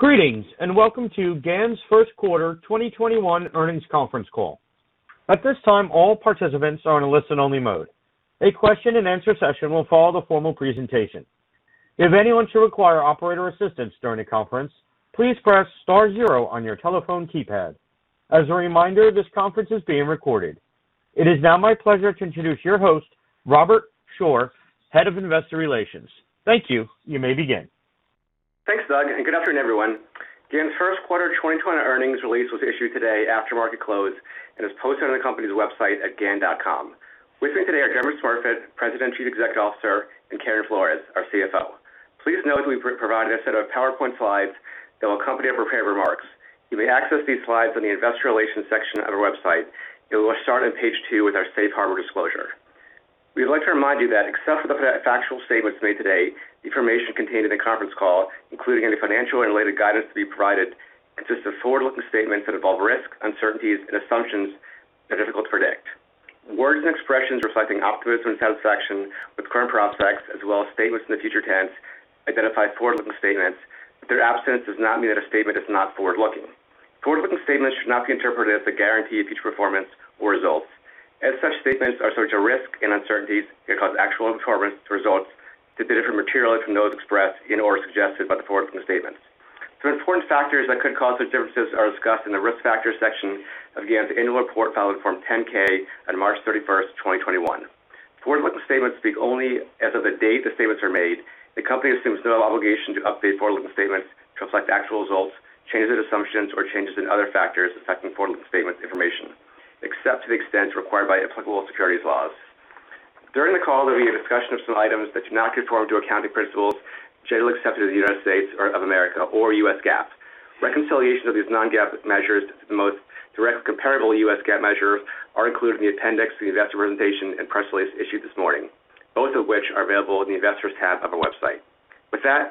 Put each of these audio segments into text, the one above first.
Greetings, and welcome to GAN's first quarter 2021 earnings conference call. At this time all participants are in a listen-only mode. A question-and-answer session will follow the formal presentation. If anyone should recquire operators assistance during the conference, please press star zero on your telephone keypad. As a remider, this coference is being recorded. It is now my pleasure to introduce your host, Robert Shore, Head of Investor Relations. Thank you. You may begin. Thanks, Doug, and good afternoon, everyone. GAN's first quarter 2021 earnings release was issued today after market close and is posted on the company's website at gan.com. With me today are Dermot Smurfit, President and Chief Executive Officer, and Karen Flores, our CFO. Please note we've provided a set of PowerPoint slides that will accompany our prepared remarks. You may access these slides in the investor relations section of our website. We will start on page two with our safe harbor disclosure. We'd like to remind you that except for factual statements made today, the information contained in the conference call, including any financial and related guidance to be provided, consists of forward-looking statements that involve risks, uncertainties, and assumptions that are difficult to predict. Words and expressions reflecting optimism and satisfaction with current prospects as well as statements in the future tense identify forward-looking statements, but their absence does not mean a statement is not forward-looking. Forward-looking statements should not be interpreted as a guarantee of future performance or results, as such statements are subject to risks and uncertainties that cause actual performance or results to be different materially from those expressed, implied, or suggested by the forward-looking statements. The important factors that could cause these differences are discussed in the Risk Factors section of GAN's annual report filed with Form 10-K on March 31st, 2021. Forward-looking statements speak only as of the date the statements are made. The company assumes no obligation to update forward-looking statements to reflect actual results, changes in assumptions, or changes in other factors affecting forward-looking statement information, except to the extent required by applicable securities laws. During the call, there may be a discussion of some items which do not conform to accounting principles generally accepted in the United States of America or U.S. GAAP. Reconciliations of these non-GAAP measures to the most direct comparable U.S. GAAP measures are included in the appendix of the investor presentation and press release issued this morning, both of which are available in the Investors tab of our website. With that,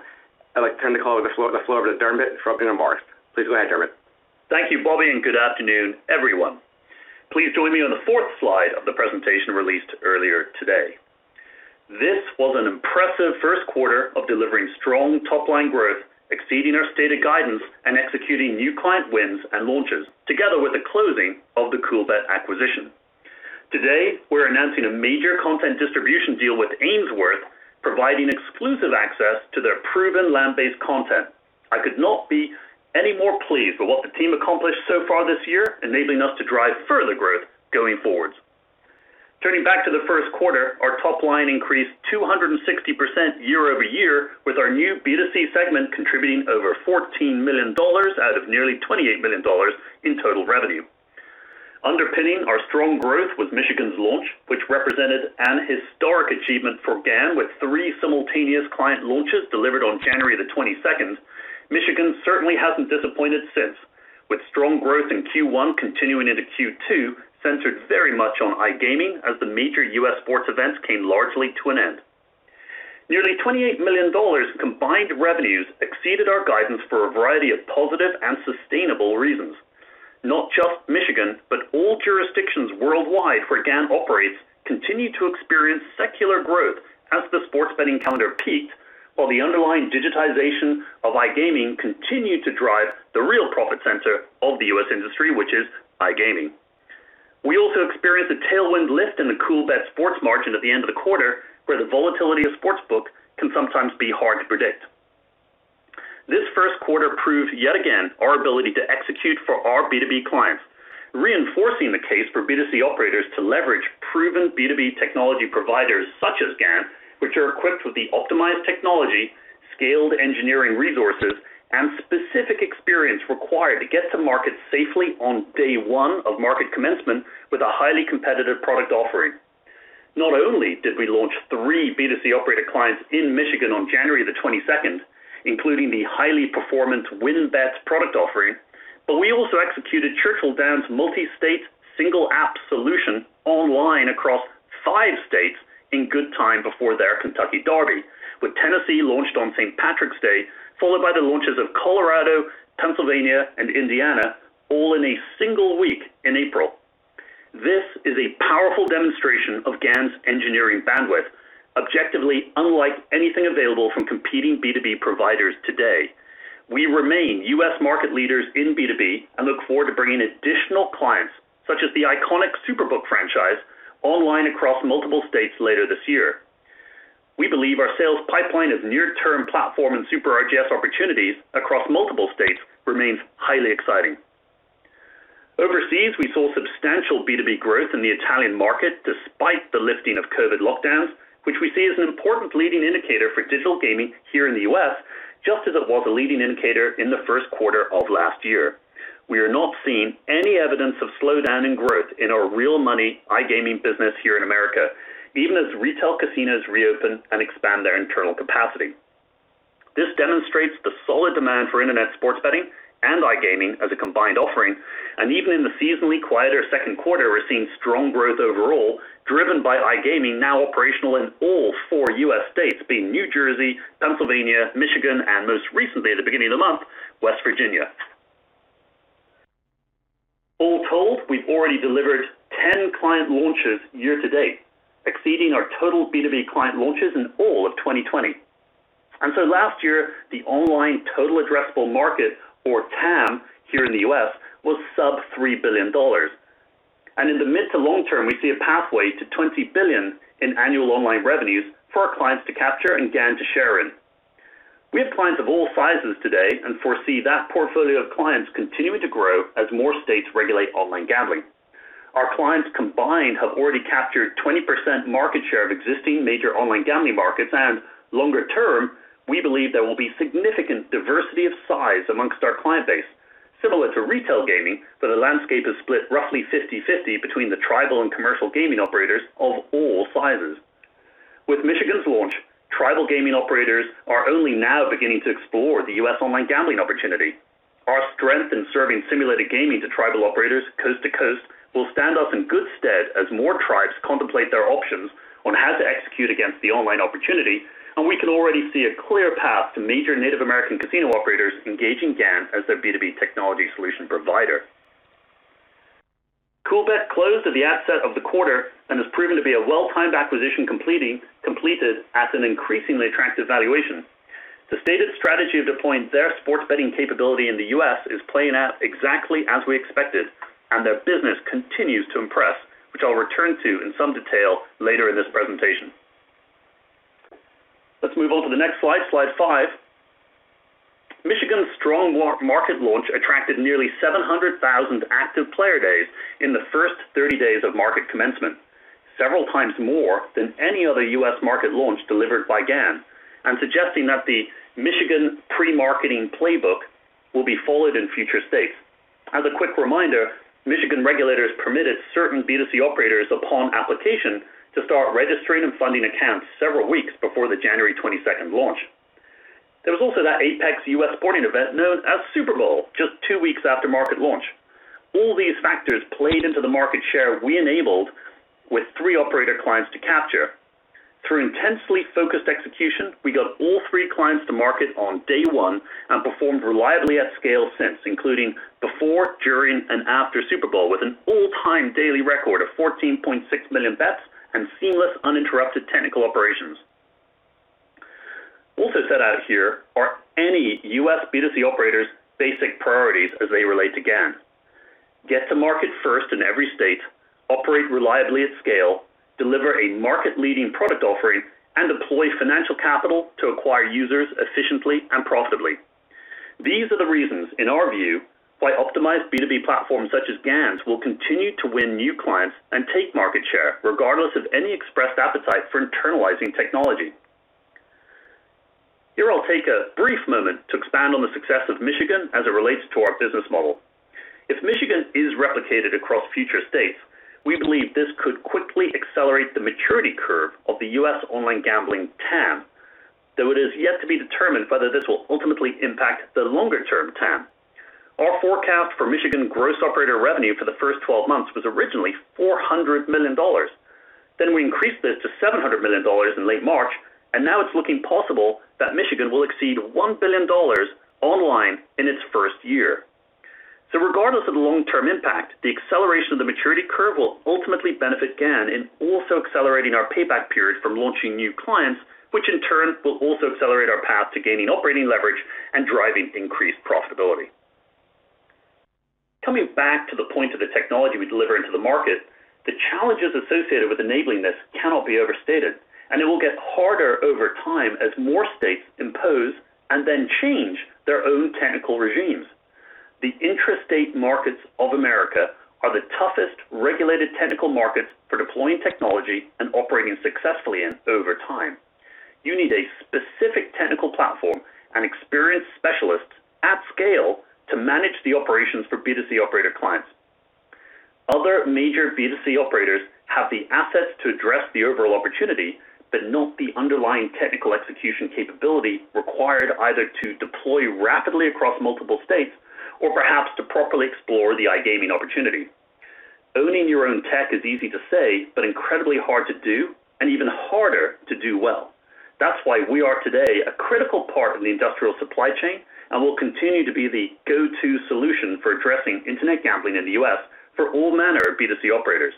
I'd like to call upon Dermot for opening remarks. Please go ahead, Dermot. Thank you, Bobby. Good afternoon, everyone. Please join me on the fourth slide of the presentation released earlier today. This was an impressive first quarter of delivering strong top-line growth, exceeding our stated guidance, and executing new client wins and launches, together with the closing of the Coolbet acquisition. Today, we're announcing a major content distribution deal with Ainsworth, providing exclusive access to their proven land-based content. I could not be any more pleased with what the team accomplished so far this year enabling us to drive further growth going forward. Turning back to the first quarter, our top line increased 260% year-over-year with our new B2C segment contributing over $14 million out of nearly $28 million in total revenue. Underpinning our strong growth was Michigan's launch, which represented an historic achievement for GAN with three simultaneous client launches delivered on January the 22nd, Michigan certainly hasn't disappointed since, with strong growth in Q1 continuing into Q2, centered very much on iGaming as the major U.S. sports events came largely to an end. Nearly $28 million combined revenues exceeded our guidance for a variety of positive and sustainable reasons. Not just Michigan, but all jurisdictions worldwide where GAN operates continue to experience secular growth as the sports betting calendar peaks, while the underlying digitization of iGaming continued to drive the real profit center of the U.S. industry, which is iGaming. We also experienced a tailwind lift in the Coolbet sports margin at the end of the quarter where the volatility of a sportsbook can sometimes be hard to predict. This first quarter proved yet again our ability to execute for our B2B clients, reinforcing the case for B2C operators to leverage proven B2B technology providers such as GAN, which are equipped with the optimized technology, scaled engineering resources, and specific experience required to get to market safely on day one of market commencement with a highly competitive product offering. Not only did we launch three B2C operator clients in Michigan on January the 22nd, including the highly performant WynnBET product offering, but we also executed Churchill Downs' multi-state single app solution online across five states in good time before their Kentucky Derby, with Tennessee launched on St. Patrick's Day, followed by the launches of Colorado, Pennsylvania, and Indiana all in a single week in April. This is a powerful demonstration of GAN's engineering bandwidth, objectively unlike anything available from competing B2B providers today. We remain U.S. market leaders in B2B and look forward to bringing additional clients, such as the iconic SuperBook franchise, online across multiple states later this year. We believe our sales pipeline of near-term Platform and Super RGS opportunities across multiple states remains highly exciting. Overseas, we saw substantial B2B growth in the Italian market despite the lifting of COVID lockdowns, which we see as an important leading indicator for digital gaming here in the U.S., just as it was a leading indicator in the first quarter of last year. We are not seeing any evidence of slowdown in growth in our real money iGaming business here in America, even as retail casinos reopen and expand their internal capacity. This demonstrates the solid demand for internet sports betting and iGaming as a combined offering, and even in the seasonally quieter second quarter, we're seeing strong growth overall, driven by iGaming now operational in all four U.S. states, being New Jersey, Pennsylvania, Michigan, and most recently at the beginning of the month, West Virginia. Overall, we've already delivered 10 client launches year to date, exceeding our total B2B client launches in all of 2020. Last year, the online total addressable market, or TAM, here in the U.S. was sub-$3 billion. In the mid to long term, we see a pathway to $20 billion in annual online revenues for our clients to capture and GAN to share in. We have clients of all sizes today and foresee that portfolio of clients continuing to grow as more states regulate online gambling. Our clients combined have already captured 20% market share of existing major online gambling markets, and longer term, we believe there will be significant diversity of size amongst our client base. Similar to retail gaming, but the landscape is split roughly 50-50 between the tribal and commercial gaming operators of all sizes. With Michigan's launch, tribal gaming operators are only now beginning to explore the U.S. online gambling opportunity. Our strength in serving simulated gaming to tribal operators coast to coast will stand us in good stead as more tribes contemplate their options on how to execute against the online opportunity, and we can already see a clear path to major Native American casino operators engaging GAN as their B2B technology solution provider. Coolbet closed at the asset of the quarter and has proven to be a well-timed acquisition completed at an increasingly attractive valuation. The stated strategy deploying their sports betting capability in the U.S. is playing out exactly as we expected. Their business continues to impress, which I'll return to in some detail later in this presentation. Let's move on to the next slide five. Michigan's strong market launch attracted nearly 700,000 active player days in the first 30 days of market commencement, several times more than any other U.S. market launch delivered by GAN, suggesting that the Michigan pre-marketing playbook will be followed in future states. As a quick reminder, Michigan regulators permitted certain B2C operators upon application to start registering and funding accounts several weeks before the January 22nd launch. There was also that apex U.S. sporting event known as Super Bowl just two weeks after market launch. All these factors played into the market share we enabled with three operator clients to capture. Through intensely focused execution, we got all three clients to market on day one and performed reliably at scale since, including before, during, and after Super Bowl with an all-time daily record of 14.6 million bets and seamless, uninterrupted technical operations. Also set out here are any U.S. B2C operator's basic priorities as they relate to GAN. Get to market first in every state, operate reliably at scale, deliver a market-leading product offering, and deploy financial capital to acquire users efficiently and profitably. These are the reasons, in our view, why optimized B2B platforms such as GAN's will continue to win new clients and take market share regardless of any expressed appetite for internalizing technology. Here, I'll take a brief moment to expand on the success of Michigan as it relates to our business model. If Michigan is replicated across future states, we believe this could quickly accelerate the maturity curve of the U.S. online gambling TAM, though it is yet to be determined whether this will ultimately impact the longer-term TAM. Our forecast for Michigan gross operator revenue for the first 12 months was originally $400 million then we increased this to $700 million in late March, and now it's looking possible that Michigan will exceed $1 billion online in its first year. Regardless of the long-term impact, the acceleration of the maturity curve will ultimately benefit GAN in also accelerating our payback period from launching new clients, which in turn will also accelerate our path to gaining operating leverage and driving increased profitability. Coming back to the point of the technology we deliver into the market, the challenges associated with enabling this cannot be overstated, and it will get harder over time as more states impose and then change their own technical regimes. The intrastate markets of America are the toughest regulated technical markets for deploying technology and operating successfully in over time. You need a specific technical platform and experienced specialists at scale to manage the operations for B2C operator clients. Other major B2C operators have the assets to address the overall opportunity, but not the underlying technical execution capability required either to deploy rapidly across multiple states or perhaps to properly explore the iGaming opportunity. Owning your own tech is easy to say, incredibly hard to do and even harder to do well. That's why we are today a critical part of the industrial supply chain and will continue to be the go-to solution for addressing internet gambling in the U.S. for all manner of B2C operators.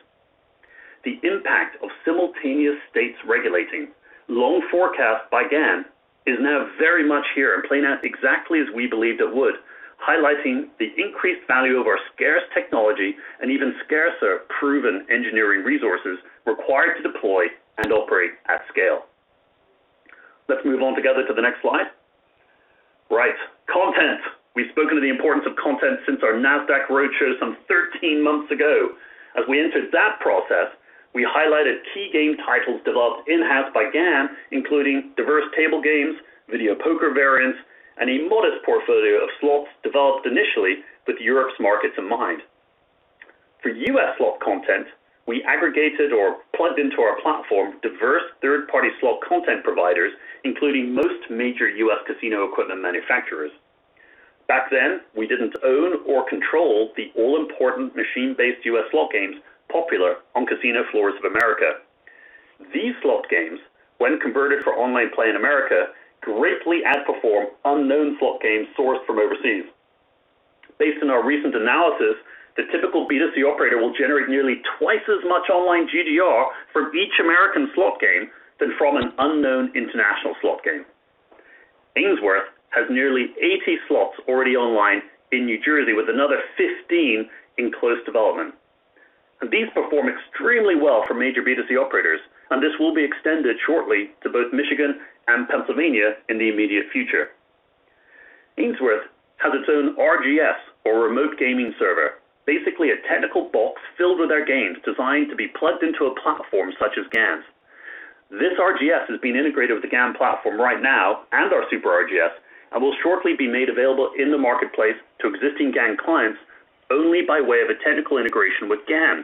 The impact of simultaneous states regulating, long forecast by GAN, is now very much here and playing out exactly as we believed it would, highlighting the increased value of our scarce technology and even scarcer proven engineering resources required to deploy and operate at scale. Let's move on together to the next slide. Right, content. We've spoken of the importance of content since our NASDAQ roadshow some 13 months ago. As we entered that process, we highlighted key game titles developed in-house by GAN, including diverse table games, video poker variants, and a modest portfolio of slots developed initially with Europe's markets in mind. For U.S. slot content, we aggregated or plugged into our platform diverse third-party slot content providers, including most major U.S. casino equipment manufacturers. Back then, we didn't own or control the all-important machine-based U.S. slot games popular on casino floors of America. These slot games, when converted for online play in America, greatly outperform unknown slot games sourced from overseas. Based on our recent analysis, the typical B2C operator will generate nearly twice as much online GGR from each American slot game than from an unknown international slot game. Ainsworth has nearly 80 slots already online in New Jersey, with another 15 in close development. These perform extremely well for major B2C operators, and this will be extended shortly to both Michigan and Pennsylvania in the immediate future. Ainsworth has its own RGS, or remote gaming server, basically a technical box filled with their games designed to be plugged into a platform such as GAN's. This RGS is being integrated with the GAN platform right now and our Super RGS, and will shortly be made available in the marketplace to existing GAN clients only by way of a technical integration with GAN.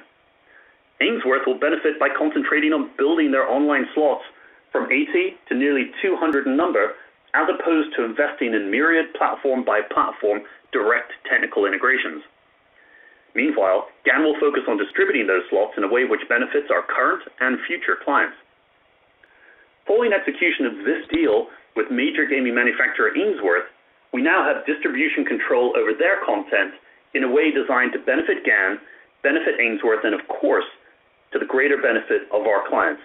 Ainsworth will benefit by concentrating on building their online slots from 80 to nearly 200 in number, as opposed to investing in myriad platform-by-platform direct technical integrations. Meanwhile, GAN will focus on distributing those slots in a way which benefits our current and future clients. Following execution of this deal with major gaming manufacturer Ainsworth, we now have distribution control over their content in a way designed to benefit GAN, benefit Ainsworth, and of course, to the greater benefit of our clients.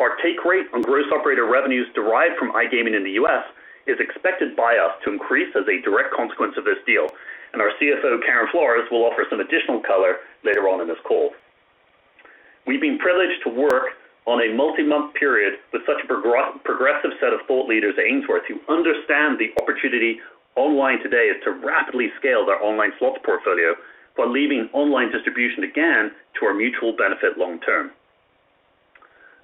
Our take rate on gross operator revenues derived from iGaming in the U.S. is expected by us to increase as a direct consequence of this deal. Our CFO, Karen Flores, will offer some additional color later on in this call. We've been privileged to work on a multi-month period with such a progressive set of thought leaders at Ainsworth who understand the opportunity online today is to rapidly scale their online slot portfolio by leaving online distribution to GAN to our mutual benefit long term.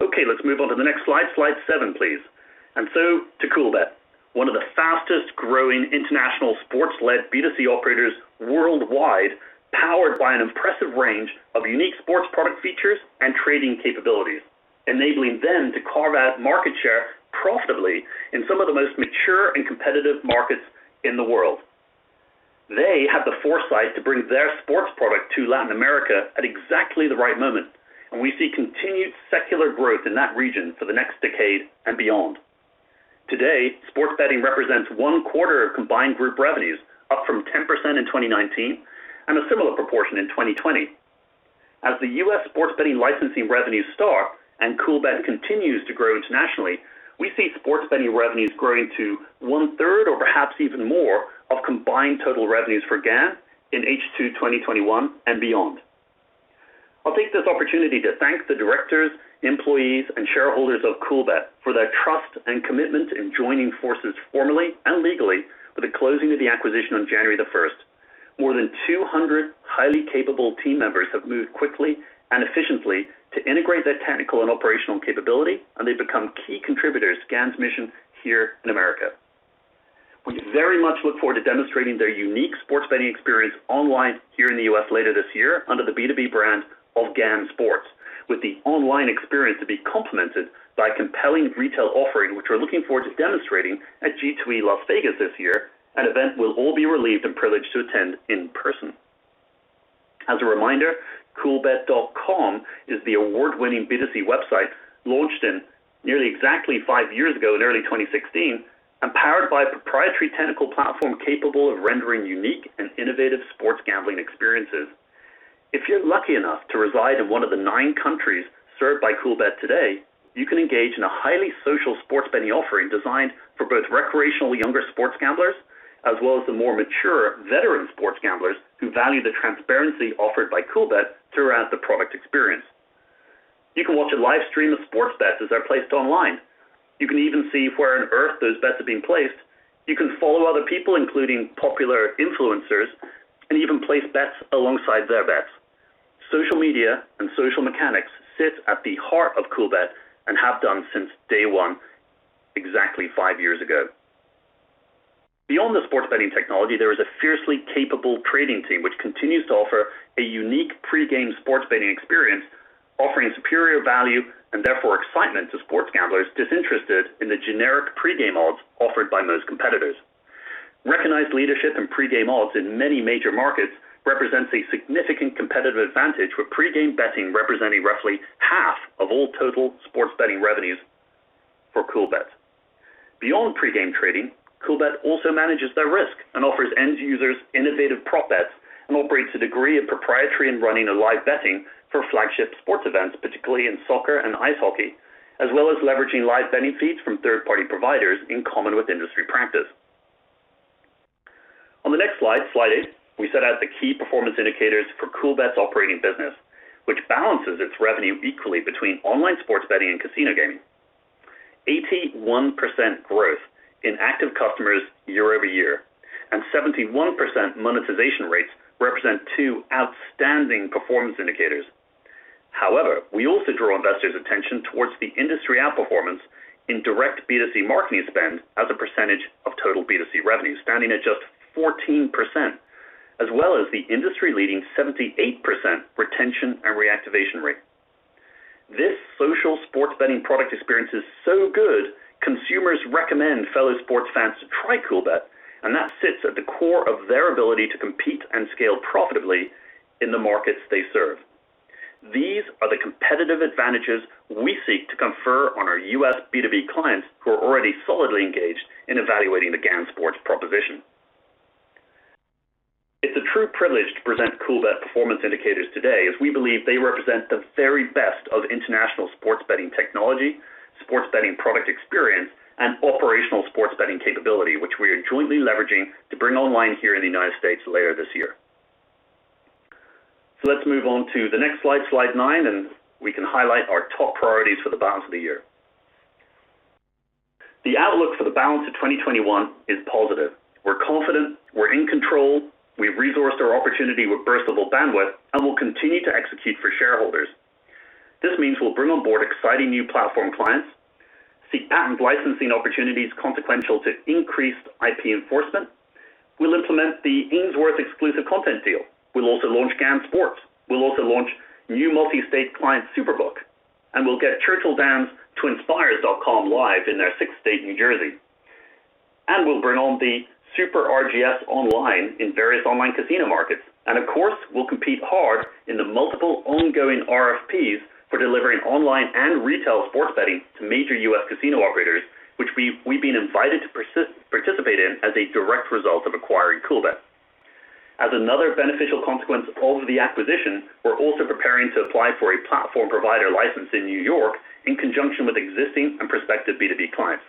Okay, let's move on to the next slide seven, please. To Coolbet, one of the fastest growing international sports-led B2C operators worldwide, powered by an impressive range of unique sports product features and trading capabilities, enabling them to carve out market share profitably in some of the most mature and competitive markets in the world. They had the foresight to bring their sports product to Latin America at exactly the right moment and we see continued secular growth in that region for the next decade and beyond. Today, sports betting represents one quarter of combined group revenues, up from 10% in 2019 and a similar proportion in 2020. As the U.S. sports betting licensing revenues start and Coolbet continues to grow internationally, we see sports betting revenues growing to 1/3 or perhaps even more of combined total revenues for GAN in H2 2021 and beyond. I'll take this opportunity to thank the directors, employees, and shareholders of Coolbet for their trust and commitment in joining forces formally and legally with the closing of the acquisition on January the 1st. More than 200 highly capable team members have moved quickly and efficiently to integrate their technical and operational capability, and they've become key contributors to GAN's mission here in America. We very much look forward to demonstrating their unique sports betting experience online here in the U.S. later this year under the B2B brand of GAN Sports, with the online experience to be complemented by a compelling retail offering, which we're looking forward to demonstrating at G2E Las Vegas this year, an event we'll all be relieved and privileged to attend in person. As a reminder, Coolbet.com is the award-winning B2C website launched nearly exactly five years ago in early 2016 and powered by a proprietary technical platform capable of rendering unique and innovative sports gambling experiences. If you're lucky enough to reside in one of the nine countries served by Coolbet today, you can engage in a highly social sports betting offering designed for both recreational younger sports gamblers, as well as the more mature veteran sports gamblers who value the transparency offered by Coolbet throughout the product experience. You can watch a live stream of sports bets as they're placed online. You can even see where on earth those bets are being placed. You can follow other people, including popular influencers, and even place bets alongside their bets. Social media and social mechanics sit at the heart of Coolbet and have done since day one exactly five years ago. Beyond the sports betting technology, there is a fiercely capable trading team which continues to offer a unique pre-game sports betting experience, offering superior value and therefore excitement to sports gamblers disinterested in the generic pre-game odds offered by most competitors. Recognized leadership in pre-game odds in many major markets represents a significant competitive advantage, with pre-game betting representing roughly half of all total sports betting revenues for Coolbet. Beyond pre-game trading, Coolbet also manages their risk and offers end users innovative prop bets and operates a degree of proprietary in-running and live betting for flagship sports events, particularly in soccer and ice hockey, as well as leveraging live betting feeds from third-party providers in common with industry practice. On the next slide eight, we set out the key performance indicators for Coolbet's operating business, which balances its revenue equally between online sports betting and casino gaming. 81% growth in active customers year-over-year and 71% monetization rates represent two outstanding performance indicators. However, we also draw investors' attention towards the industry outperformance in direct B2C marketing spend as a percentage of total B2C revenues, standing at just 14%, as well as the industry-leading 78% retention and reactivation rate. This social sports betting product experience is so good, consumers recommend fellow sports fans to try Coolbet, and that sits at the core of their ability to compete and scale profitably in the markets they serve. These are the competitive advantages we seek to confer on our U.S. B2B clients who are already solidly engaged in evaluating the GAN Sports proposition. It's a true privilege to present Coolbet performance indicators today as we believe they represent the very best of international sports betting technology, sports betting product experience, and operational sports betting capability, which we are jointly leveraging to bring online here in the United States. later this year. Let's move on to the next slide nine, and we can highlight our top priorities for the balance of the year. The outlook for the balance of 2021 is positive. We're confident, we're in control, we've resourced our opportunity with burstable bandwidth and we'll continue to execute for shareholders. This means we'll bring on board exciting new platform clients, seek GAN licensing opportunities consequential to increased IP enforcement. We'll implement the Ainsworth exclusive content deal. We'll also launch GAN Sports. We'll also launch new multi-state client SuperBook. We'll get Churchill Downs TwinSpires.com live in their six state New Jersey. We'll bring on the Super RGS online in various online casino markets. Of course, we'll compete hard in the multiple ongoing RFPs for delivering online and retail sports betting to major U.S. casino operators, which we've been invited to participate in as a direct result of acquiring Coolbet. As another beneficial consequence of the acquisition, we're also preparing to apply for a platform provider license in New York in conjunction with existing and prospective B2B clients.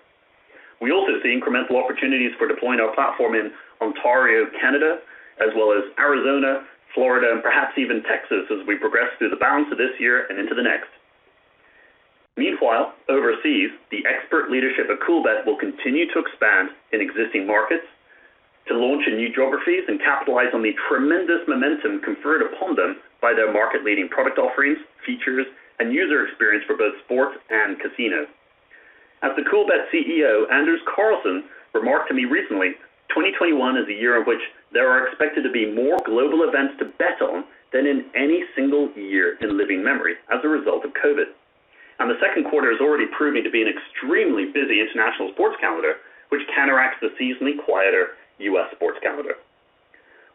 We also see incremental opportunities for deploying our platform in Ontario, Canada, as well as Arizona, Florida, and perhaps even Texas as we progress through the balance of this year and into the next. Meanwhile, overseas, the expert leadership of Coolbet will continue to expand in existing markets to launch in new geographies and capitalize on the tremendous momentum conferred upon them by their market-leading product offerings, features, and user experience for both sports and casinos. As the Coolbet CEO, Anders Karlsson, remarked to me recently, 2021 is the year in which there are expected to be more global events to bet on than in any single year in living memory as a result of COVID. The second quarter is already proving to be an extremely busy international sports calendar, which counteracts the seasonally quieter U.S. sports calendar.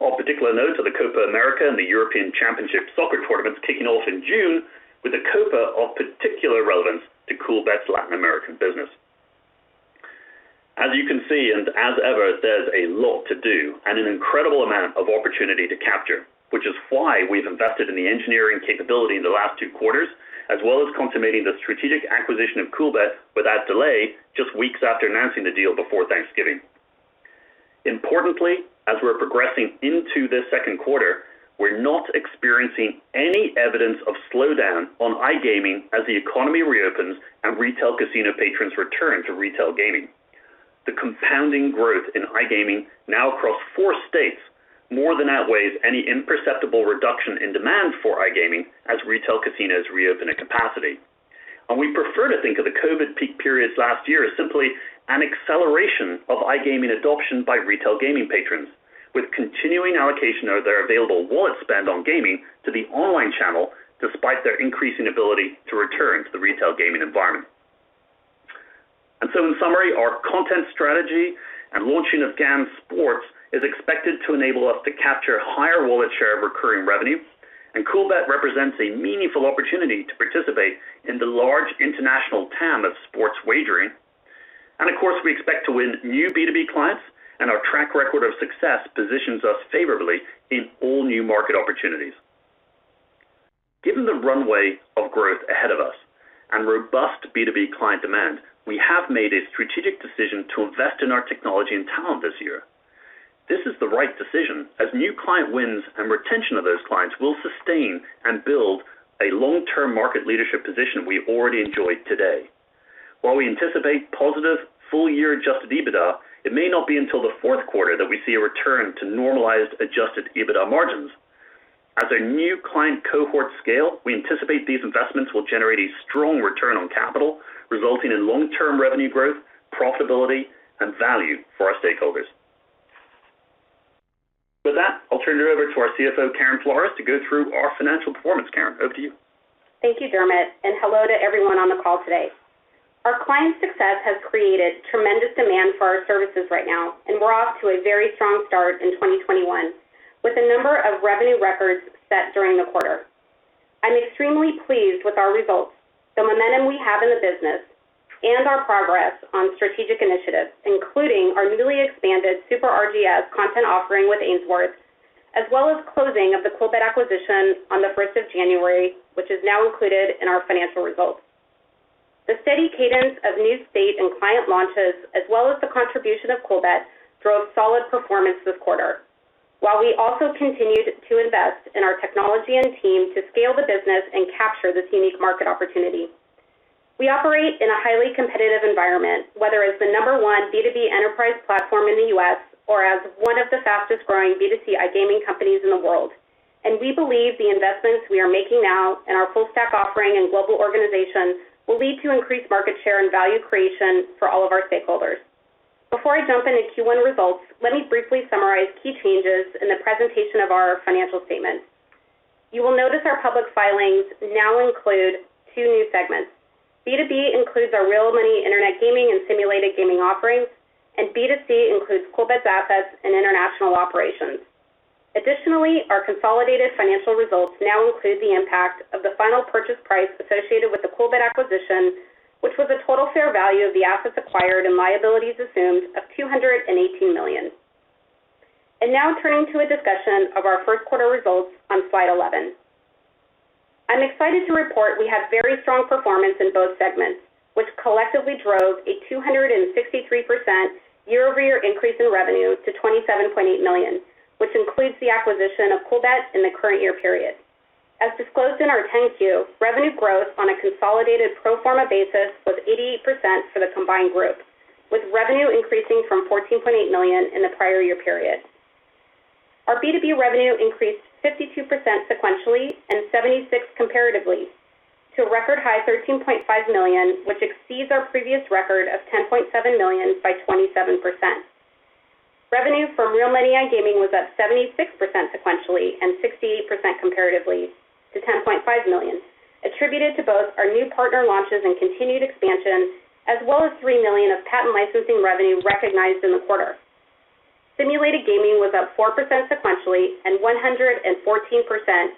Of particular note are the Copa América and the UEFA European Championship soccer tournaments kicking off in June with the Coolbet of particular relevance to Coolbet's Latin American business. As you can see, and as ever, there's a lot to do and an incredible amount of opportunity to capture, which is why we've invested in the engineering capability in the last two quarters, as well as consummating the strategic acquisition of Coolbet without delay just weeks after announcing the deal before Thanksgiving. Importantly, as we're progressing into this second quarter, we're not experiencing any evidence of slowdown on iGaming as the economy reopens and retail casino patrons return to retail gaming. The compounding growth in iGaming now across four states more than outweighs any imperceptible reduction in demand for iGaming as retail casinos reopen at capacity. We prefer to think of the COVID peak periods last year as simply an acceleration of iGaming adoption by retail gaming patrons with continuing allocation of their available wallet spend on gaming to the online channel despite their increasing ability to return to the retail gaming environment. In summary, our content strategy and launching of GAN Sports is expected to enable us to capture higher wallet share of recurring revenues, and Coolbet represents a meaningful opportunity to participate in the large international TAM of sports wagering. Of course, we expect to win new B2B clients, and our track record of success positions us favorably in all new market opportunities. Given the runway of growth ahead of us and robust B2B client demand, we have made a strategic decision to invest in our technology and talent this year. This is the right decision as the new client wins and retention of those clients will sustain and build a long-term market leadership position we already enjoy today. While we anticipate positive full-year adjusted EBITDA, it may not be until the fourth quarter that we see a return to normalized adjusted EBITDA margins. As our new client cohorts scale, we anticipate these investments will generate a strong return on capital, resulting in long-term revenue growth, profitability, and value for our stakeholders. With that, I'll turn it over to our CFO, Karen Flores, to go through our financial performance. Karen, over to you. Thank you, Dermot, Hello to everyone on the call today. Our client success has created tremendous demand for our services right now, and we're off to a very strong start in 2021, with a number of revenue records set during the quarter. I'm extremely pleased with our results, the momentum we have in the business, and our progress on strategic initiatives, including our newly expanded Super RGS content offering with Ainsworth, as well as closing of the Coolbet acquisition on the 1st of January, which is now included in our financial results. The steady cadence of new state and client launches, as well as the contribution of Coolbet, drove solid performance this quarter, while we also continued to invest in our technology and team to scale the business and capture this unique market opportunity. We operate in a highly competitive environment, whether as the number one B2B enterprise platform in the U.S. or as one of the fastest-growing B2C iGaming companies in the world and we believe the investments we are making now in our full-stack offering and global organization will lead to increased market share and value creation for all of our stakeholders. Before I jump into Q1 results, let me briefly summarize key changes in the presentation of our financial statements. You will notice our public filings now include two new segments: B2B includes our real-money internet gaming and simulated gaming offerings, and B2C includes Coolbet's assets and international operations. Additionally, our consolidated financial results now include the impact of the final purchase price associated with the Coolbet acquisition, which was a total fair value of the assets acquired and liabilities assumed of $218 million. Now turning to a discussion of our first quarter results on slide 11. I'm excited to report we had very strong performance in both segments, which collectively drove a 263% year-over-year increase in revenue to $27.8 million, which includes the acquisition of Coolbet in the current year period. As disclosed in our 10-Q, revenue growth on a consolidated pro forma basis was 88% for the combined group, with revenue increasing from $14.8 million in the prior year period. Our B2B revenue increased 52% sequentially and 76% comparatively to a record high $13.5 million, which exceeds our previous record of $10.7 million by 27%. Revenue from real-money iGaming was up 76% sequentially and 68% comparatively to $10.5 million, attributed to both our new partner launches and continued expansion, as well as $3 million of patent licensing revenue recognized in the quarter. Simulated gaming was up 4% sequentially and 114%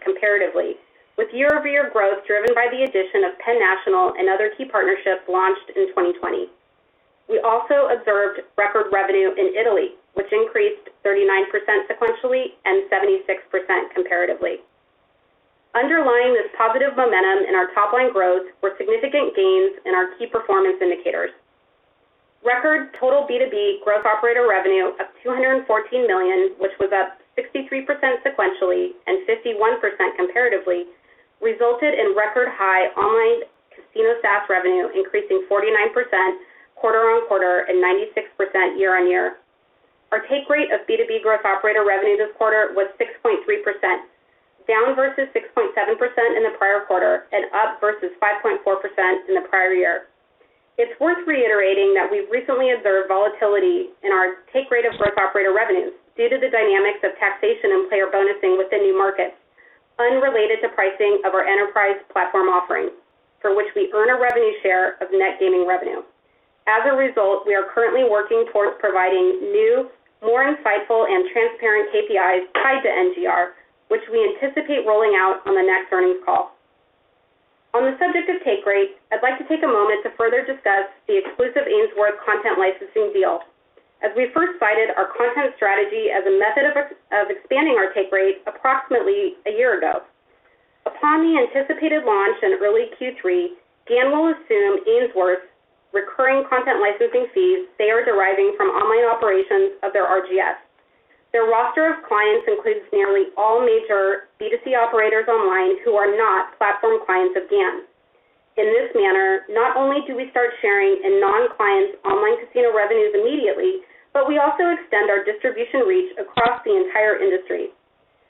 comparatively, with year-over-year growth driven by the addition of Penn National and other key partnerships launched in 2020. We also observed record revenue in Italy, which increased 39% sequentially and 76% comparatively. Underlying this positive momentum in our top-line growth were significant gains in our key performance indicators. Record total B2B gross operator revenue of $214 million, which was up 53% sequentially and 51% comparatively, resulted in record high online casino SaaS revenue increasing 49% quarter-on-quarter and 96% year-on-year. Our take rate of B2B gross operator revenue this quarter was 6.3%, down versus 6.7% in the prior quarter and up versus 5.4% in the prior year. It's worth reiterating that we've recently observed volatility in our take rate of gross operator revenue due to the dynamics of taxation and player bonusing within new markets unrelated to pricing of our enterprise platform offerings, for which we own a revenue share of net gaming revenue. As a result, we are currently working toward providing new, more insightful, and transparent KPIs tied to NGR, which we anticipate rolling out on the next earnings call. On the subject of take rate, I'd like to take a moment to further discuss the exclusive Ainsworth content licensing deal. As we first cited our content strategy as a method of expanding our take rate approximately a year ago. Upon the anticipated launch in early Q3, GAN will assume Ainsworth's recurring content licensing fees they are deriving from online operations of their RGS. Their roster of clients includes nearly all major B2C operators online who are not platform clients of GAN. In this manner, not only do we start sharing in non-clients' online casino revenues immediately, but we also extend our distribution reach across the entire industry.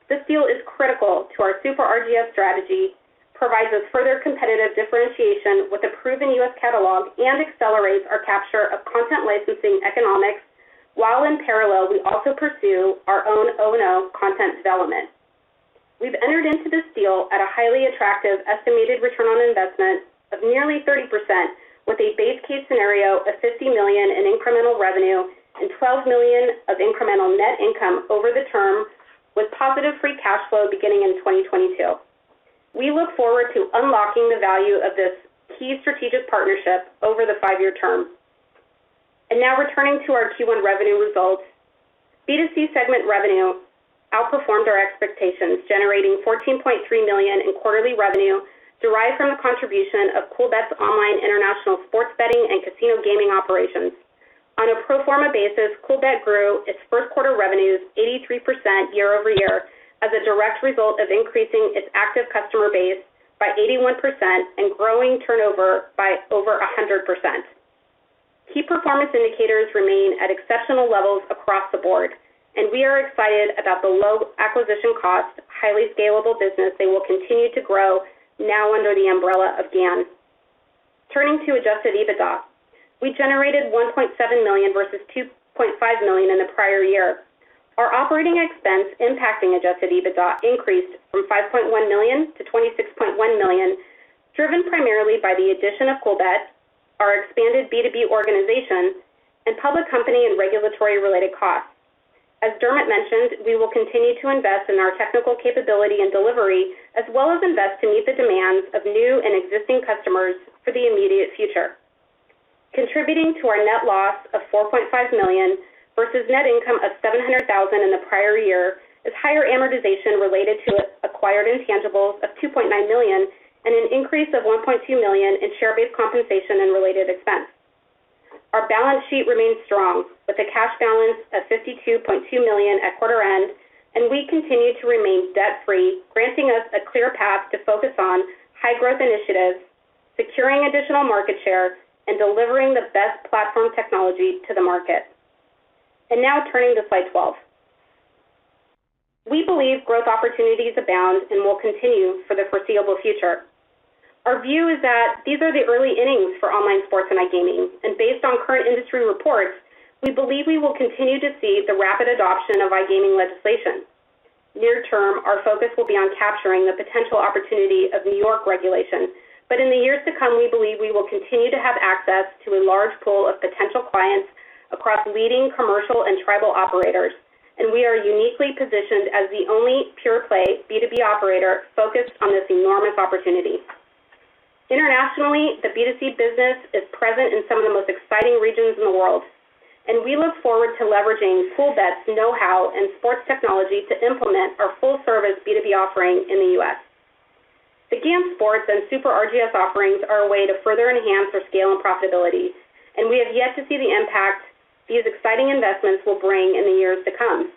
This deal is critical to our Super RGS strategy, provides us further competitive differentiation with a proven U.S. catalog, and accelerates our capture of content licensing economics, while in parallel, we also pursue our own O&O content development. We've entered into this deal at a highly attractive estimated return on investment of nearly 30%, with a base case scenario of $50 million in incremental revenue and $12 million of incremental net income over the term, with positive free cash flow beginning in 2022. We look forward to unlocking the value of this key strategic partnership over the five-year term. Now returning to our Q1 revenue results. B2C segment revenue outperformed our expectations, generating $14.3 million in quarterly revenue derived from the contribution of Coolbet's online international sports betting and casino gaming operations. On a pro forma basis, Coolbet grew its first quarter revenues 83% year-over-year as a direct result of increasing its active customer base by 81% and growing turnover by over 100%. Key performance indicators remain at exceptional levels across the board, and we are excited about the low acquisition cost of highly scalable business they will continue to grow now under the umbrella of GAN. Turning to adjusted EBITDA. We generated $1.7 million versus $2.5 million in the prior year. Our operating expense impacting adjusted EBITDA increased from $5.1 million to $26.1 million, driven primarily by the addition of Coolbet, our expanded B2B organization, and public company and regulatory-related costs. As Dermot mentioned, we will continue to invest in our technical capability and delivery as well as invest to meet the demands of new and existing customers for the immediate future. Contributing to our net loss of $4.5 million versus net income of $700,000 in the prior year is higher amortization related to acquired intangibles of $2.9 million and an increase of $1.2 million in share-based compensation and related expense. Our balance sheet remains strong with a cash balance of $52.2 million at quarter end, and we continue to remain debt-free, granting us a clear path to focus on high-growth initiatives, securing additional market share, and delivering the best platform technology to the market. Now turning to slide 12. We believe growth opportunities abound and will continue for the foreseeable future. Our view is that these are the early innings for online sports and iGaming, and based on current industry reports, we believe we will continue to see the rapid adoption of iGaming legislation. Near term, our focus will be on capturing the potential opportunity of New York regulation, but in the years to come, we believe we will continue to have access to a large pool of potential clients across leading commercial and tribal operators, and we are uniquely positioned as the only pure-play B2B operator focused on this enormous opportunity. Internationally, the B2C business is present in some of the most exciting regions in the world, and we look forward to leveraging Coolbet's know-how and sports technology to implement our full-service B2B offering in the U.S. The GAN Sports and Super RGS offerings are a way to further enhance the scale and profitability. We have yet to see the impact these exciting investments will bring in the years to come.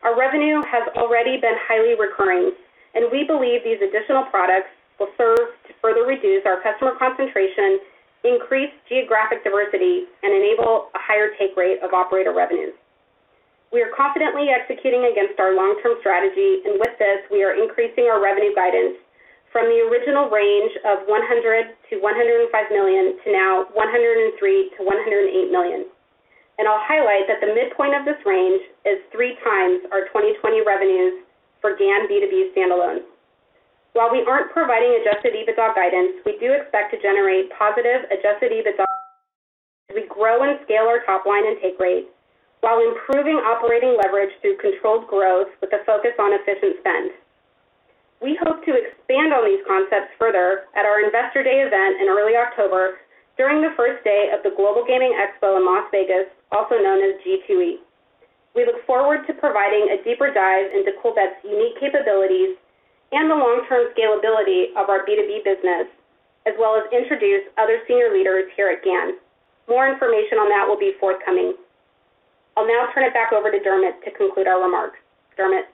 Our revenue has already been highly recurring. We believe these additional products will serve to further reduce our customer concentration, increase geographic diversity, and enable a higher take rate of operator revenues. We are confidently executing against our long-term strategy. With this, we are increasing our revenue guidance from the original range of $100 million-$105 million to now $103 million-$108 million. I'll highlight that the midpoint of this range is 3x our 2020 revenues for GAN B2B standalone. While we aren't providing adjusted EBITDA guidance, we do expect to generate positive adjusted EBITDA as we grow and scale our top line and take rates while improving operating leverage through controlled growth with a focus on efficient spend. We hope to expand on these concepts further at our Investor Day event in early October during the first day of the Global Gaming Expo in Las Vegas, also known as G2E. We look forward to providing a deeper dive into Coolbet's unique capabilities and the long-term scalability of our B2B business, as well as introduce other senior leaders here at GAN. More information on that will be forthcoming. I'll now turn it back over to Dermot to conclude our remarks. Dermot?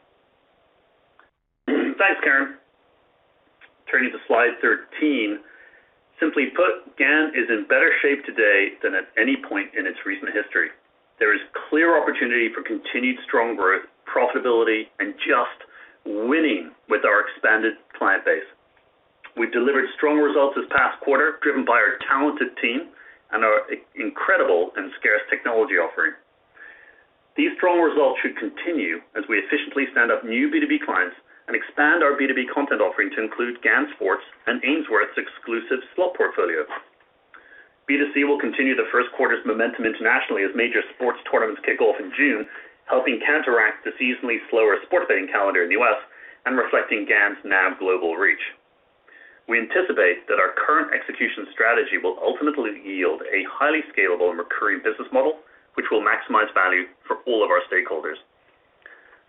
Thanks, Karen. Turning to slide 13. Simply put, GAN is in better shape today than at any point in its recent history. There is clear opportunity for continued strong growth, profitability, and just winning with our expanded client base. We delivered strong results this past quarter, driven by our talented team and our incredible and scarce technology offering. These strong results should continue as we efficiently stand up new B2B clients and expand our B2B content offering to include GAN Sports and Ainsworth's exclusive slot portfolio. B2C will continue the first quarter's momentum internationally as major sports tournaments kick off in June, helping counteract the seasonally slower sport betting calendar in the U.S. and reflecting GAN's now global reach. We anticipate that our current execution strategy will ultimately yield a highly scalable and recurring business model, which will maximize value for all of our stakeholders.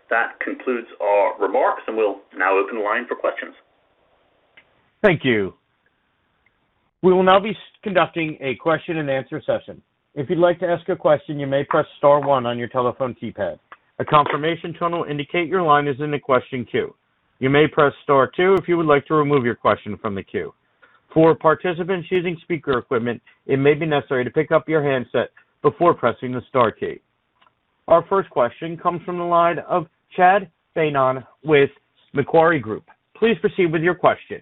That concludes our remarks, and we'll now open the line for questions. Thank you. We will now be conducting a question-and-answer session. If you would like to ask a qestion, you may press star one on your telephone keypad. A confirmation tone will indicate your line is in a question queue. You may press star two if you would like to remove yourself from the queue. For participants using speaker equipment, it may be necessary to pick up your handset before pressing the star key. Our first question comes from the line of Chad Beynon with Macquarie Group. Please proceed with your question.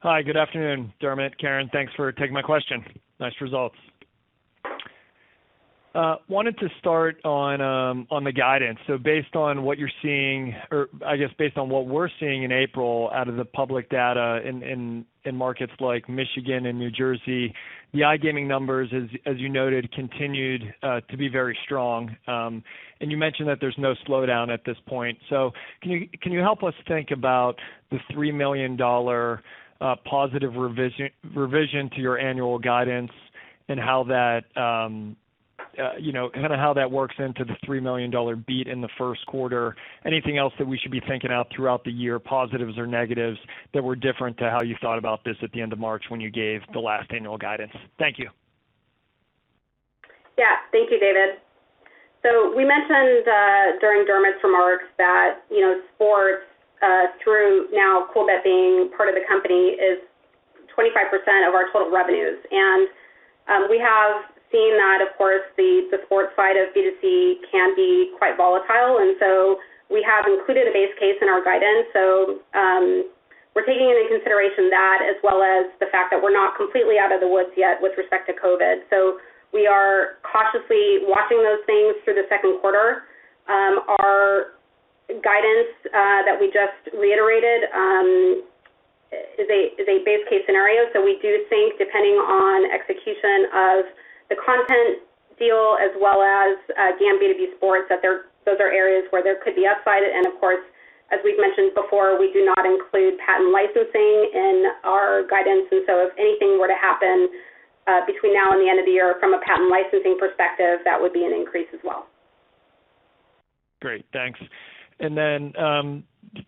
Hi, good afternoon, Dermot, Karen. Thanks for taking my question. Nice results. Wanted to start on the guidance. Based on what you're seeing, or I guess based on what we're seeing in April out of the public data in markets like Michigan and New Jersey, the iGaming numbers, as you noted, continued to be very strong. You mentioned that there's no slowdown at this point. Can you help us think about the $3 million positive revision to your annual guidance and how that works into the $3 million beat in the first quarter? Anything else that we should be thinking of throughout the year, positives or negatives, that were different to how you thought about this at the end of March when you gave the last annual guidance? Thank you. Yeah. Thank you, David. We mentioned during Dermot's remarks that sports through now Coolbet being part of the company is 25% of our total revenues. We have seen that, of course, the sports side of B2C can be quite volatile, and so we have included a base case in our guidance and so we're taking into consideration that as well as the fact that we're not completely out of the woods yet with respect to COVID. We are cautiously watching those things through the second quarter. Our guidance that we just reiterated is a base case scenario. We do think depending on execution of the content deal as well as GAN B2B Sports, that those are areas where there could be upside. Of course, as we've mentioned before, we do not include patent licensing in our guidance. If anything were to happen between now and the end of the year from a patent licensing perspective, that would be an increase as well. Great. Thanks. And then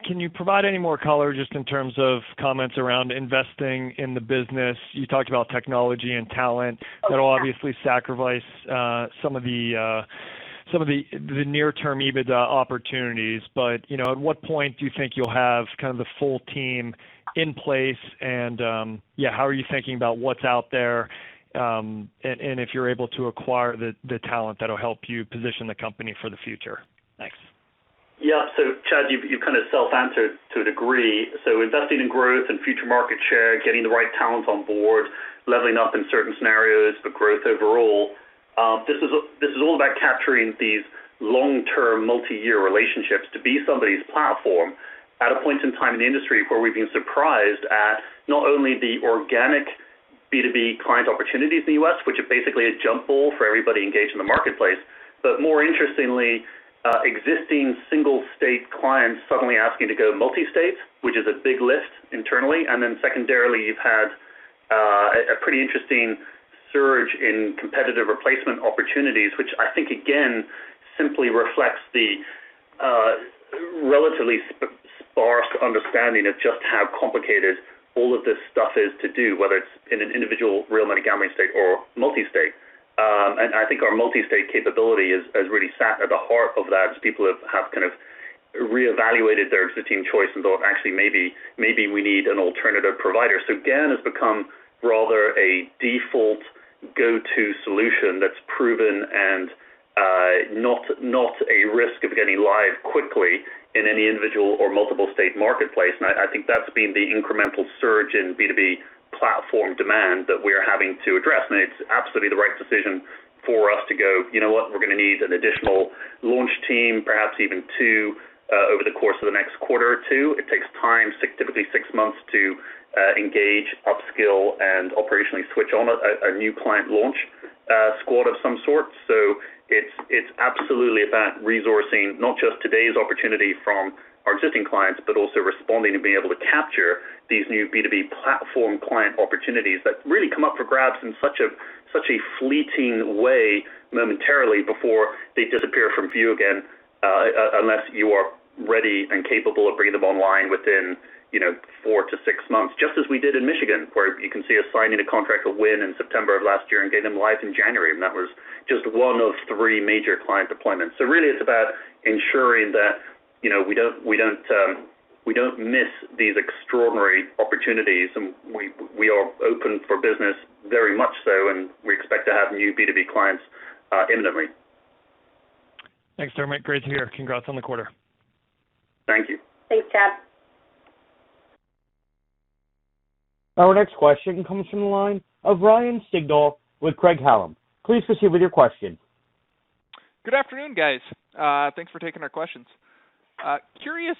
can you provide any more color just in terms of comments around investing in the business? You talked about technology and talent that will obviously sacrifice some of the near-term EBITDA opportunities. At what point do you think you'll have kind of the full team in place and how are you thinking about what's out there and if you're able to acquire the talent that'll help you position the company for the future? Thanks. Yeah. Chad, you kind of self-answered to a degree. Investing in growth and future market share, getting the right talent on board, leveling up in certain scenarios for growth overall. This is all about capturing these long-term, multi-year relationships to be somebody's platform at a point in time in the industry where we've been surprised at not only the organic B2B client opportunities in the U.S., which are basically a jump ball for everybody engaged in the marketplace, but more interestingly, existing single-state clients suddenly asking to go multi-state, which is a big lift internally. Secondarily, you've had a pretty interesting surge in competitive replacement opportunities, which I think, again, simply reflects the relatively sparse understanding of just how complicated all of this stuff is to do, whether it's in an individual real money gaming state or multi-state. I think our multi-state capability has really sat at the heart of that as people have reevaluated their existing choices or actually maybe we need an alternative provider. GAN has become rather a default go-to solution that's proven and not a risk of getting live quickly in any individual or multiple state marketplace. I think that's been the incremental surge in B2B platform demand that we are having to address. It's absolutely the right decision for us to go, you know what? We're going to need an additional launch team, perhaps even two, over the course of the next quarter or two. It takes time, typically six months to engage, upskill, and operationally switch on a new client launch squad of some sort. It's absolutely about resourcing not just today's opportunity from our existing clients, but also responding to being able to capture these new B2B platform client opportunities that really come up for grabs in such a fleeting way momentarily before they disappear from view again, unless you are ready and capable of bringing them online within four to six months. Just as we did in Michigan, where you can see us signing a contract to Wynn in September of last year and getting live in January. That was just one of three major client deployments. Really it's about ensuring that we don't miss these extraordinary opportunities. We are open for business very much so, and we expect to have new B2B clients in the ring. Thanks, Dermot. Great to hear. Congrats on the quarter. Thank you. Thanks, Chad. Our next question comes from the line of Ryan Sigdahl with Craig-Hallum. Please proceed with your question. Good afternoon, guys. Thanks for taking our questions. Curious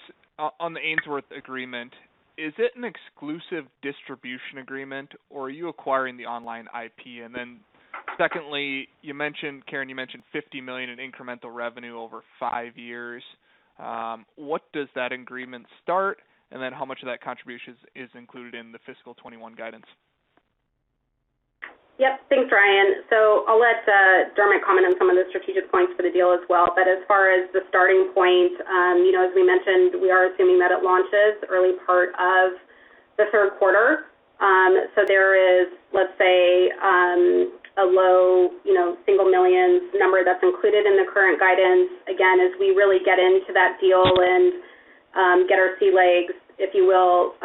on the Ainsworth agreement, is it an exclusive distribution agreement or are you acquiring the online IP? Secondly, Karen, you mentioned $50 million in incremental revenue over five years. What does that agreement start? How much of that contribution is included in the fiscal 2021 guidance? Yep. Thanks, Ryan. I'll let Dermot comment on some of the strategic points for the deal as well. As far as the starting point, as we mentioned, we are assuming that it launches early part of the third quarter. There is, let's say, a low single millions number that's included in the current guidance. Again, as we really get into that deal and get our sea legs, if you will,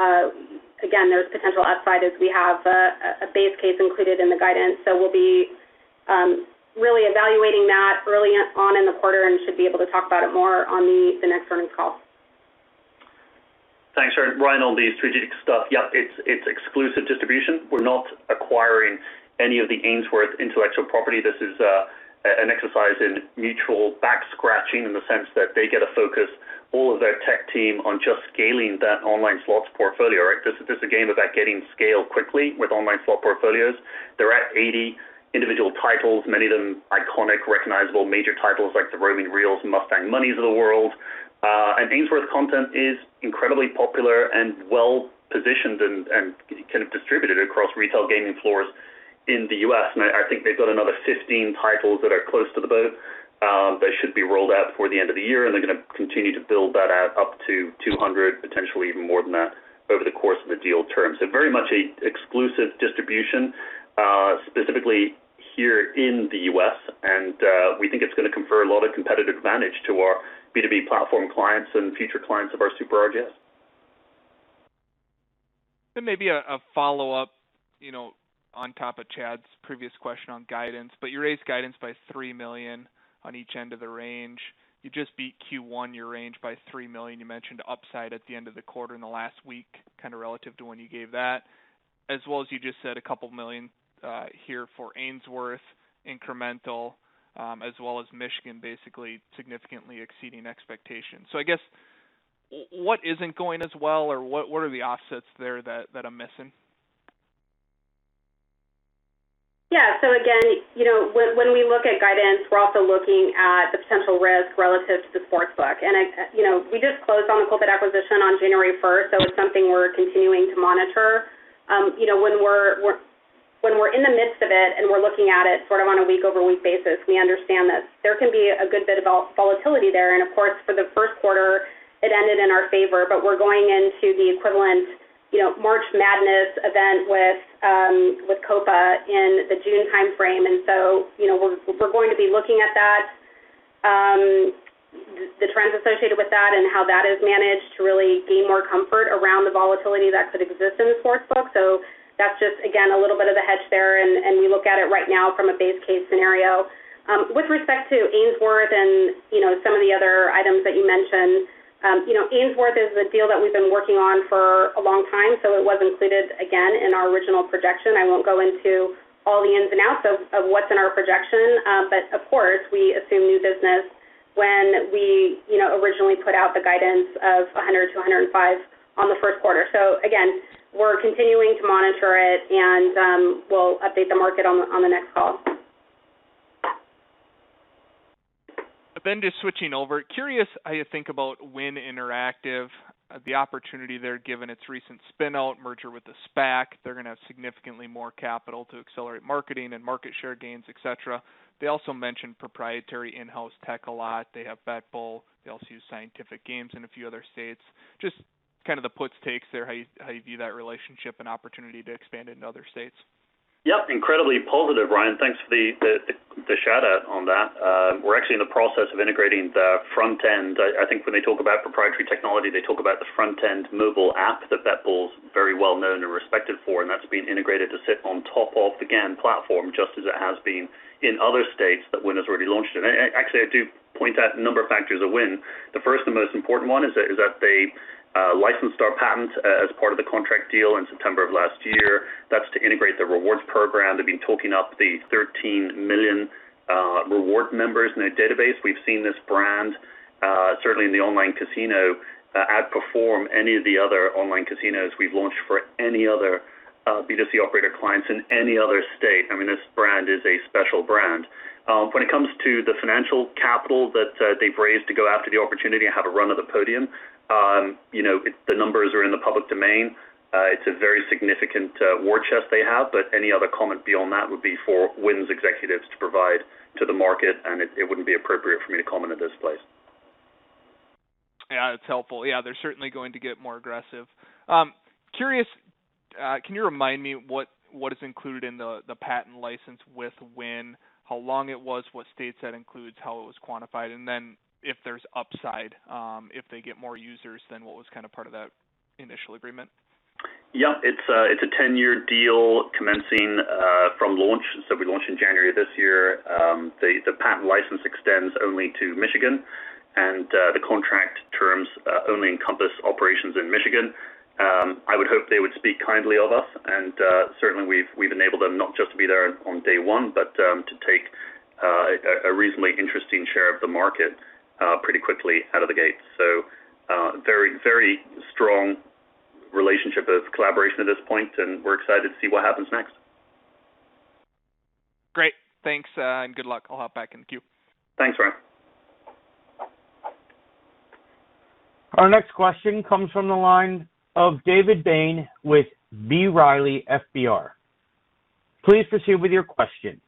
again, those potential upsides, we have a base case included in the guidance. We'll be really evaluating that early on in the quarter and should be able to talk about it more on the next earnings call. Thanks, Ryan. On the strategic stuff, yeah, it's exclusive distribution. We're not acquiring any of the Ainsworth intellectual property. This is an exercise in mutual back scratching in the sense that they get to focus all of their tech team on just scaling that online slots portfolio. This is a game about getting scale quickly with online slot portfolios. They're at 80 individual titles, many of them iconic, recognizable major titles like the Roaming Reels and Mustang Money of the world. Ainsworth content is incredibly popular and well-positioned and distributed across retail gaming floors in the U.S. I think they've got another 15 titles that are close to the boat that should be rolled out before the end of the year. They're going to continue to build that out up to 200, potentially even more than that over the course of the deal term. Very much a exclusive distribution, specifically here in the U.S., and we think it's going to confer a lot of competitive advantage to our B2B platform clients and future clients of our Super RGS. Maybe a follow-up on top of Chad's previous question on guidance. You raised guidance by $3 million on each end of the range. You just beat Q1, your range by $3 million. You mentioned upside at the end of the quarter in the last week, kind of relative to when you gave that. As well as you just said a couple of million here for Ainsworth incremental, as well as Michigan basically significantly exceeding expectations. I guess what isn't going as well or what are the offsets there that I'm missing? Yeah. Again, when we look at guidance, we're also looking at the potential risk relative to sportsbook. We just closed on the Copa acquisition on January 1st. That was something we're continuing to monitor. When we're in the midst of it and we're looking at it sort of on a week-over-week basis, we understand that there can be a good bit of volatility there. Of course, for the first quarter, it ended in our favor, but we're going into the equivalent March Madness event with Copa in the June timeframe. We're going to be looking at that, the trends associated with that and how that is managed to really gain more comfort around the volatility that could exist in the sportsbook. That's just, again, a little bit of a hedge there. We look at it right now from a base case scenario. With respect to Ainsworth and some of the other items that you mentioned, Ainsworth is a deal that we've been working on for a long time, it was included, again, in our original projection. I won't go into all the ins and outs of what's in our projection. Of course, we assume new business when we originally put out the guidance of $100-$105 on the first quarter. Again, we're continuing to monitor it, and we'll update the market on the next call. Just switching over, curious how you think about Wynn Interactive, the opportunity there, given its recent spin-out merger with the SPAC. They're going to have significantly more capital to accelerate marketing and market share gains, etc. They also mention proprietary in-house tech a lot. They have BetBull. They also use Scientific Games in a few other states. Just the puts, takes there, how you view that relationship and opportunity to expand into other states? Yeah. Incredibly positive, Ryan. Thanks for the shout-out on that. We're actually in the process of integrating the front end. I think when they talk about proprietary technology, they talk about the front-end mobile app that BetBull's very well-known and respected for, and that's being integrated to sit on top of GAN platform, just as it has been in other states that Wynn has already launched in. Actually, I do point out a number of factors of Wynn. The first and most important one is that they licensed our patent as part of the contract deal in September of last year. That's to integrate the rewards program. They've been talking up the 13 million reward members in their database. We've seen this brand, certainly in the online casino, outperform any of the other online casinos we've launched for any other B2C operator clients in any other state. This brand is a special brand. When it comes to the financial capital that they've raised to go after the opportunity and have a run at the podium, the numbers are in the public domain. It's a very significant war chest they have. Any other comment beyond that would be for Wynn's executives to provide to the market, and it wouldn't be appropriate for me to comment in this place. That's helpful. They're certainly going to get more aggressive. Curious, can you remind me what is included in the patent license with Wynn, how long it was, what states that includes, how it was quantified, and then if there's upside if they get more users than what was part of that initial agreement? It's a 10-year deal commencing from launch. We launched in January of this year. The patent license extends only to Michigan, and the contract terms only encompass operations in Michigan. I would hope they would speak kindly of us, and certainly, we've enabled them not just to be there on day one, but to take a reasonably interesting share of the market pretty quickly out of the gate. Very strong relationship as a collaboration at this point, and we're excited to see what happens next. Great. Thanks, and good luck. I'll hop back in the queue. Thanks, Ryan. Our next question comes from the line of David Bain with B. Riley FBR. Please proceed with your question.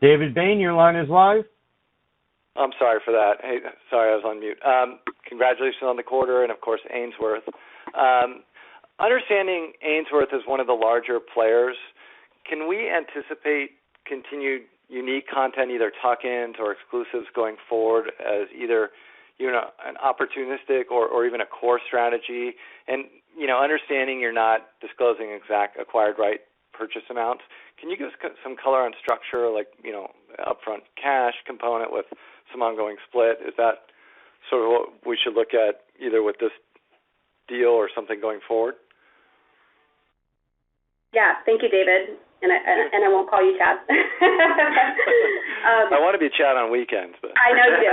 David Bain, your line is live. I'm sorry for that. Sorry, I was on mute. Congratulations on the quarter and, of course, Ainsworth. Understanding Ainsworth is one of the larger players, can we anticipate continued unique content, either tuck-ins or exclusives going forward as either, an opportunistic or even a core strategy? Understanding you're not disclosing exact acquired right purchase amounts, can you give us some color on structure, like upfront cash component with some ongoing split? Is that sort of what we should look at either with this deal or something going forward? Yeah. Thank you, David. I won't call you Chad. I want to be Chad on weekends, though. I know you do.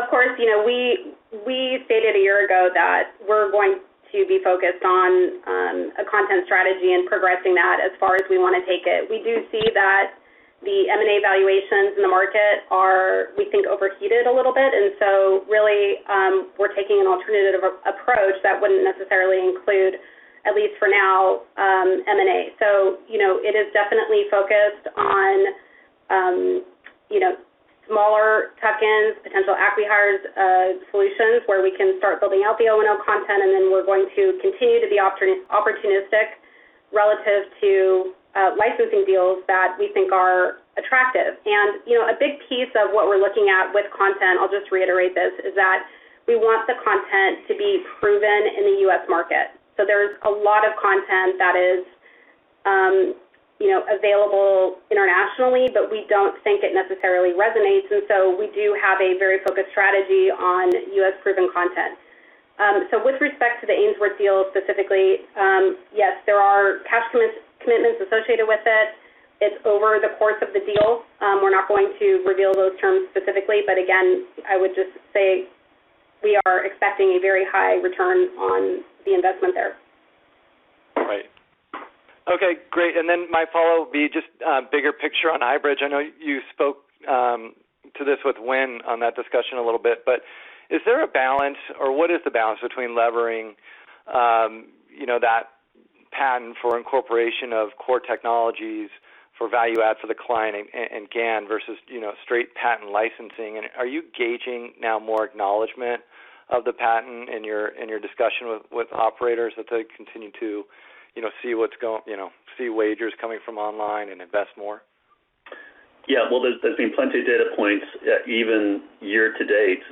Of course, we stated a year ago that we're going to be focused on a content strategy and progressing that as far as we want to take it. We do see that the M&A valuations in the market are, we think, overheated a little bit. Really, we're taking an alternative approach that wouldn't necessarily include, at least for now, M&A. It is definitely focused on smaller tuck-ins, potential acqui-hires solutions where we can start building out the O&O content, and then we're going to continue to be opportunistic relative to licensing deals that we think are attractive. A big piece of what we're looking at with content, I'll just reiterate this, is that we want the content to be proven in the U.S. market. There is a lot of content that is available internationally, but we don't think it necessarily resonates. We do have a very focused strategy on U.S.-proven content. With respect to the Ainsworth deal specifically, yes, there are cash commitments associated with it. It's over the course of the deal. We're not going to reveal those terms specifically. Again, I would just say we are expecting a very high return on the investment there. Right. Okay, great. My follow-up would be just bigger picture on iBridge. I know you spoke to this with Wynn on that discussion a little bit, but is there a balance or what is the balance between levering that patent for incorporation of core technologies for value add for the client and GAN versus straight patent licensing? Are you gauging now more acknowledgment of the patent in your discussion with operators as they continue to see wagers coming from online and invest more? Yeah. Well, there's been plenty of data points even year to date,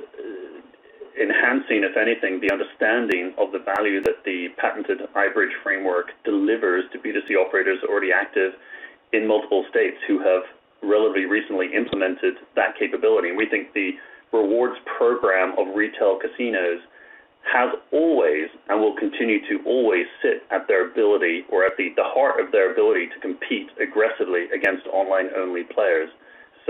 enhancing, if anything, the understanding of the value that the patented iBridge Framework delivers to B2C operators already active in multiple states who have relatively recently implemented that capability. We think the rewards program of retail casinos has always and will continue to always sit at their ability or at the heart of their ability to compete aggressively against online-only players.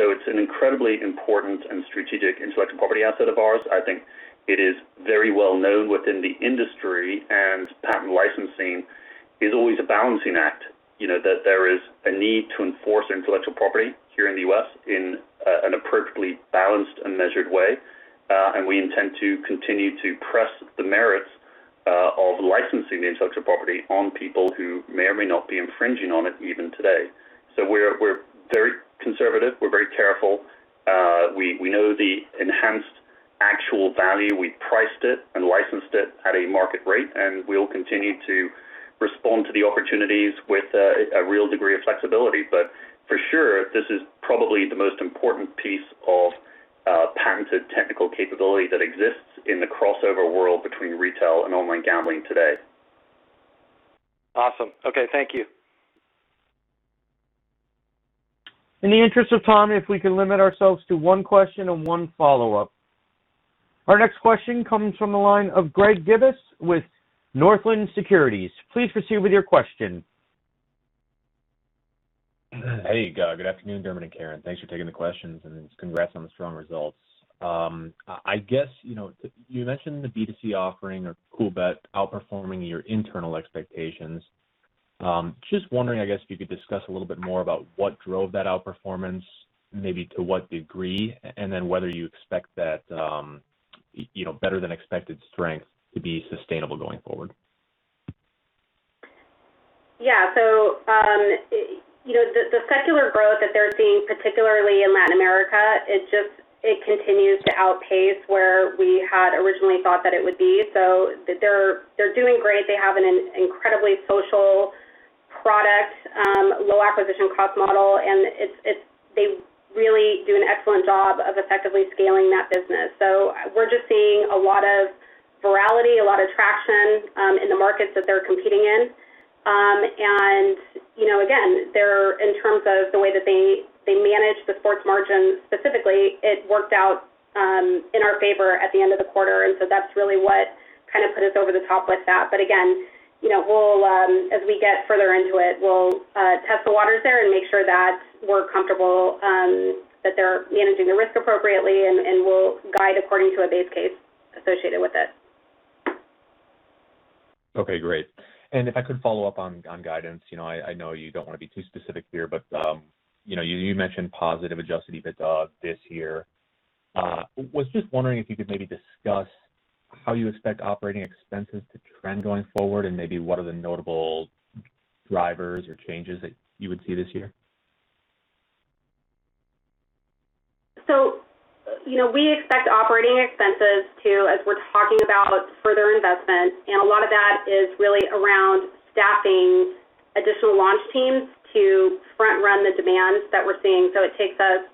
It's an incredibly important and strategic intellectual property asset of ours. I think it is very well known within the industry and patent licensing is always a balancing act. That there is a need to enforce intellectual property here in the U.S. in an appropriately balanced and measured way and we intend to continue to press the merits of licensing the intellectual property on people who may or may not be infringing on it even today. We're very conservative. We're very careful. We know the enhanced actual value. We priced it and licensed it at a market rate, and we'll continue to respond to the opportunities with a real degree of flexibility. For sure, this is probably the most important piece of patented technical capability that exists in the crossover world between retail and online gambling today. Awesome. Okay. Thank you. In the interest of time, if we can limit ourselves to one question and one follow-up. Our next question comes from the line of Greg Gibas with Northland Securities. Please proceed with your question. Hey, Doug. Good afternoon, Dermot and Karen. Thanks for taking the questions and congrats on the strong results. I guess, you mentioned the B2C offering of Coolbet outperforming your internal expectations. Just wondering, I guess, if you could discuss a little bit more about what drove that outperformance, maybe to what degree, and then whether you expect that better-than-expected strength to be sustainable going forward. Yeah. The secular growth that they're seeing, particularly in Latin America, it continues to outpace where we had originally thought that it would be so they're doing great. They have an incredibly social product, low acquisition cost model, and they really do an excellent job of effectively scaling that business. We're just seeing a lot of virality, a lot of traction in the markets that they're competing in. Again, in terms of the way that they manage the sports margin, specifically, it worked out in our favor at the end of the quarter, that's really what kind of put us over the top with that. Again, as we get further into it, we'll test the waters there and make sure that we're comfortable that they're managing the risk appropriately, and we'll guide according to a base case associated with it. Okay, great. If I could follow up on guidance. I know you don't want to be too specific here, but you mentioned positive adjusted EBITDA this year. I was just wondering if you could maybe discuss how you expect operating expenses to trend going forward, and maybe what are the notable drivers or changes that you would see this year? We expect operating expenses to, as we're talking about further investment, and a lot of that is really around staffing additional launch teams to front-run the demands that we're seeing. It takes us,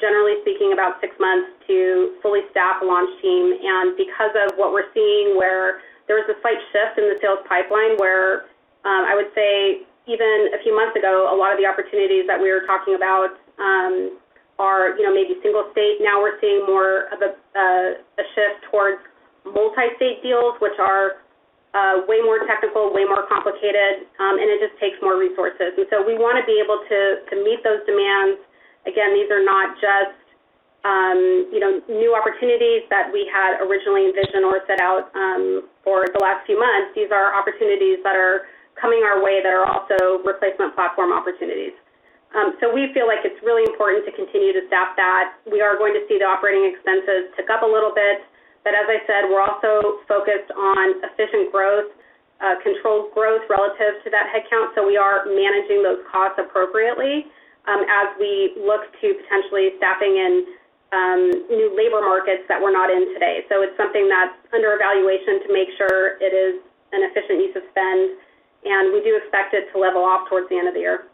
generally speaking, about six months to fully staff a launch team. Because of what we're seeing, where there was a slight shift in the sales pipeline where I would say even a few months ago, a lot of the opportunities that we were talking about are maybe single state. Now we're seeing more of a shift towards multi-state deals, which are way more technical, way more complicated, and it just takes more resources. We want to be able to meet those demands. Again, these are not just new opportunities that we had originally envisioned or set out for the last few months. These are opportunities that are coming our way that are also replacement platform opportunities. We feel like it's really important to continue to staff that. We are going to see the operating expenses tick up a little bit. As I said, we're also focused on efficient growth, controlled growth relative to that headcount. We are managing those costs appropriately as we look to potentially staffing in new labor markets that we're not in today. It's something that's under evaluation to make sure it is an efficient use of spend, and we do expect it to level off towards the end of the year.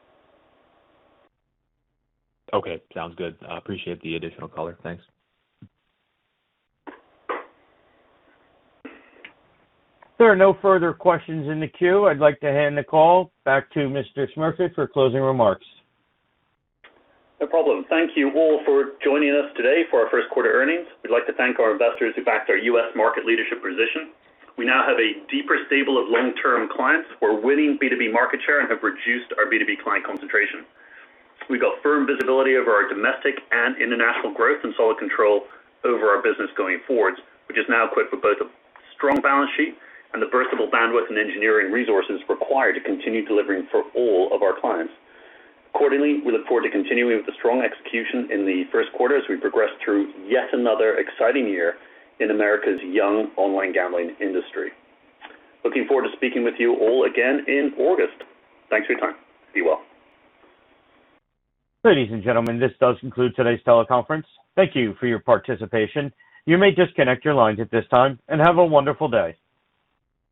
Okay, sounds good. I appreciate the additional color. Thanks. There are no further questions in the queue. I'd like to hand the call back to Mr. Smurfit for closing remarks. No problem. Thank you all for joining us today for our first quarter earnings. We'd like to thank our investors who backed our U.S. market leadership position. We now have a deeper stable of long-term clients. We're winning B2B market share and have reduced our B2B client concentration. We've got firm visibility over our domestic and international growth and solid control over our business going forwards, which is now equipped with both a strong balance sheet and the versatile bandwidth and engineering resources required to continue delivering for all of our clients. We look forward to continuing with the strong execution in the first quarter as we progress through yet another exciting year in America's young online gambling industry. Looking forward to speaking with you all again in August. Thanks for your time. Be well. Ladies and gentlemen, this does conclude today's teleconference. Thank you for your participation. You may disconnect your lines at this time, and have a wonderful day.